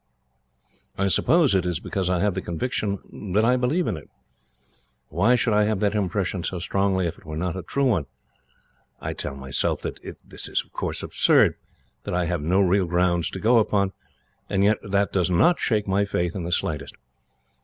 I suppose it is because I have the conviction that I believe in it. Why should I have that impression so strongly, if it were not a true one? I tell myself that it is absurd, that I have no real grounds to go upon, and yet that does not shake my faith in the slightest.